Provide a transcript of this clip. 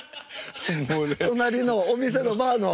隣のお店のバーの。